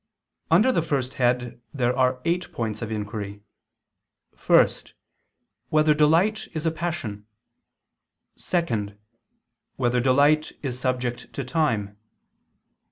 Under the first head there are eight points of inquiry: (1) Whether delight is a passion? (2) Whether delight is subject to time?